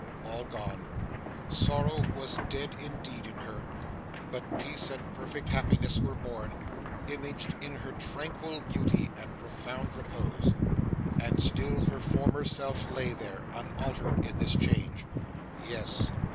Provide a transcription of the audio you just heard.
All gone. Sorrow was dead indeed in her, but peace and perfect happiness were born; imaged in her tranquil beauty and profound repose. And still her former self lay there, unaltered in this change. Yes.